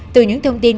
từ những thông tin